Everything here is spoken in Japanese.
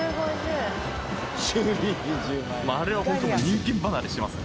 あれは本当に人間離れしてます。